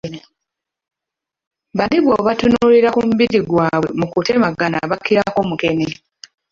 Bali bwobatunuulira ku mubiri gyabwe mukutemagana bakirako mukene!